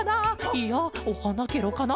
いやおはなケロかな？